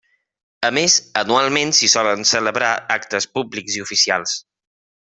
A més, anualment s'hi solen celebrar actes públics i oficials.